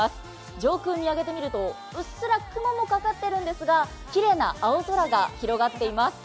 上空見上げてみると、うっすら雲もかかっているんですが、きれいな青空が広がっています。